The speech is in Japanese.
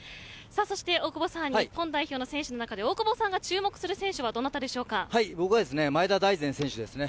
そして大久保さん日本代表の選手の中で大久保さんが注目する選手は僕は前田大然選手です。